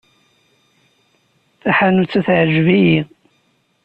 Taḥanut-a teɛjeb-iyi.